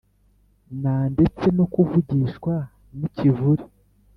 nandetse no kuvugishwa n’ikivuri,